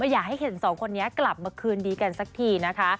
อยากให้เห็นสองคนนี้กลับมาคืนดีกันสักทีนะคะ